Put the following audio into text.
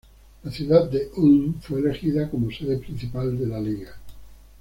La ciudad de Ulm fue elegida como sede principal de la liga.